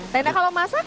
tenda kalau masak